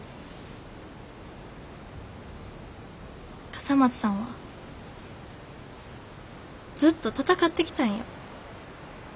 笠松さんはずっと戦ってきたんよ。